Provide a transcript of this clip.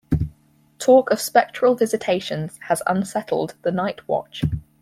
Talk of spectral visitations has unsettled the night watch.